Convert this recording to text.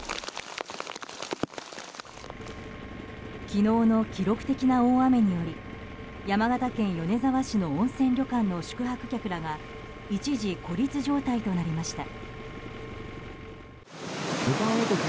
昨日の記録的な大雨により山形県米沢市の温泉旅館の宿泊客らが一時、孤立状態となりました。